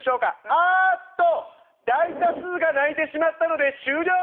あっと大多数が泣いてしまったので終了です」。